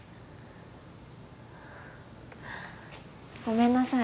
ごめんなさい